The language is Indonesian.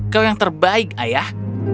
kau yang terbaik ayah